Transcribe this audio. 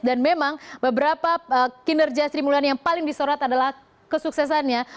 dan memang beberapa kinerja sri mulyani yang paling disorat adalah kesuksesannya